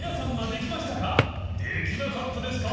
できなかったですか？